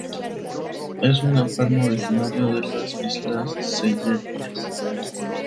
Es una palma originaria de las Islas Seychelles.